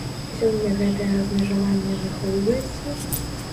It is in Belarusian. Сёння гэтае размежаванне захоўваецца?